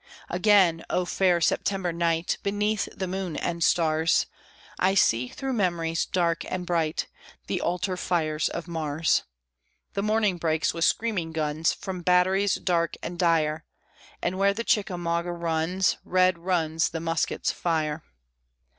Again, O fair September night! Beneath the moon and stars, I see, through memories dark and bright, The altar fires of Mars. The morning breaks with screaming guns From batteries dark and dire. And where the Chickamauga runs Red runs the muskets' fire.